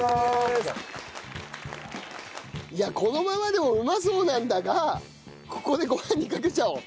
いやこのままでもうまそうなんだがここでご飯にかけちゃおう。